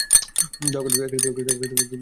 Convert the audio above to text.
দয়া করে খাবেন না!